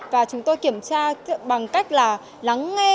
và chúng tôi kiểm tra bằng cách lắng nghe